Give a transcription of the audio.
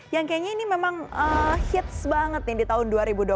yang kayaknya ini memang hits banget nih di tahun dua ribu dua puluh satu